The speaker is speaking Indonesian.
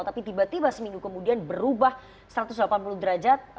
tapi tiba tiba seminggu kemudian berubah satu ratus delapan puluh derajat